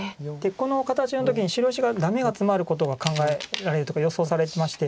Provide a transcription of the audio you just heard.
この形の時に白石がダメがツマることが予想されまして。